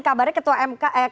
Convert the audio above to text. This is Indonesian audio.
kabarnya ketua mk eh